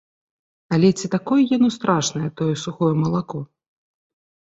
Але ці такое яно страшнае, тое сухое малако?